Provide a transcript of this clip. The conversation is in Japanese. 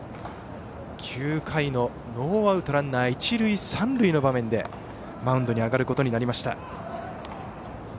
９回のノーアウトランナー、一塁三塁の場面でマウンドに上がることになりました。